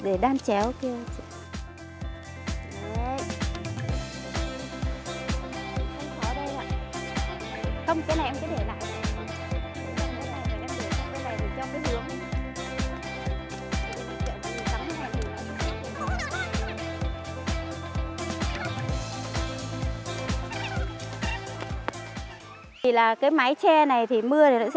và nó sẽ thoáng